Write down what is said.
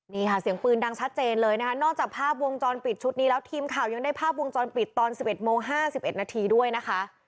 นี่ค่ะเสียงปืนดังชัดเจนเลยนะคะนอกจากภาพวงจรปิดชุดนี้แล้วทีมข่าวยังได้ภาพวงจรปิดตอน๑๑โมง๕๑นาทีด้วยนะคะ